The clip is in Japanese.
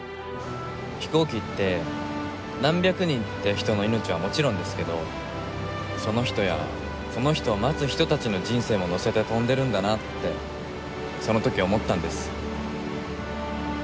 飛行機って何百人って人の命はもちろんですけどその人やその人を待つ人たちの人生も乗せて飛んでるんだなってその時思ったんです。